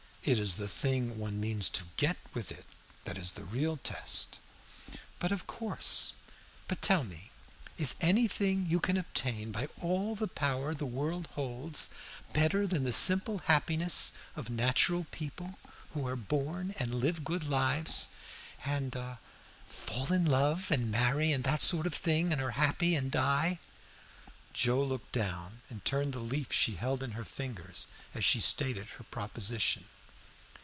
It is the thing one means to get with it that is the real test." "Of course. But tell me, is anything you can obtain by all the power the world holds better than the simple happiness of natural people, who are born and live good lives, and fall in love, and marry, and that sort of thing, and are happy, and die?" Joe looked down and turned the leaf she held in her fingers, as she stated her proposition.